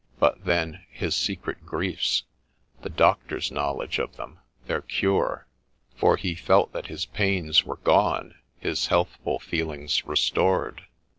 But then, hia secret griefs : the doctor's knowledge of them ; their cure ; for he felt that his pains were gone, his healthful feelings restored